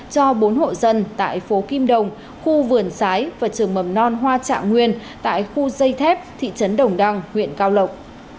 cho bốn hộ dân tại phố kim đồng khu vườn sái và trường mầm non hoa trạng nguyên tại khu dây thép thị trấn đồng đăng huyện cao lộc